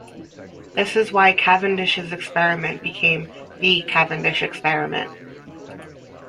This is why Cavendish's experiment became "the" Cavendish experiment.